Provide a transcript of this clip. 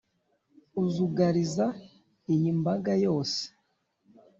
uzugariza iyi mbaga yose